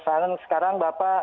sekarang sekarang bapak